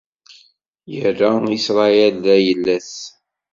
Irra Isṛayil d ayla-s.